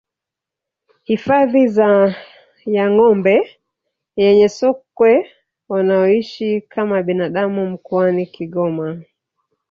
Hifadhi ya Gombe yenye sokwe wanaoishi kama binadamu mkoani Kigoma